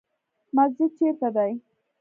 مسجد چیرته دی؟